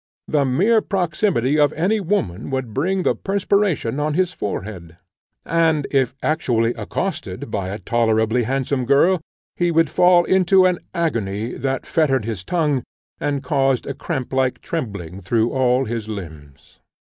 The mere proximity of any woman would bring the perspiration on his forehead; and if actually accosted by a tolerably handsome girl, he would fall into an agony that fettered his tongue, and caused a cramp like trembling through all his limbs.